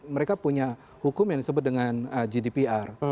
mereka punya hukum yang disebut dengan gdpr